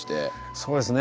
そうですね。